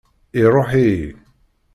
Iṛuḥ-iyi.